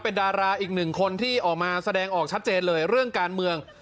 เป็นดาราอีกหนึ่งคนที่ออกมาแสดงออกชัดเจนเลยเรื่องการเมือง